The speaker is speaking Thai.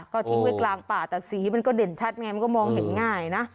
ก็ทิ้งไว้กลางป่าแต่สีมันก็เด่นชัดไงมันก็มองเห็นง่ายนะ